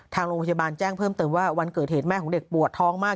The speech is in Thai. ทางโรงพยาบาลแจ้งเพิ่มเติมว่าวันเกิดเหตุแม่ของเด็กปวดท้องมาก